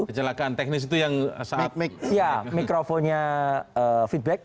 kecelakaan teknis itu yang saat mikrofonnya feedback